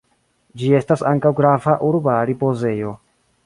Ĝi estas ankaŭ grava urba ripozejo.